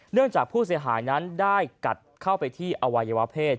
จากผู้เสียหายนั้นได้กัดเข้าไปที่อวัยวะเพศ